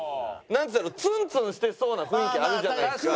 ツンツンしてそうな雰囲気あるじゃないですか。